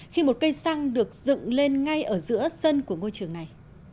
khi một cây xăng được dựng lên ngay ở giữa sân của ngôi trường này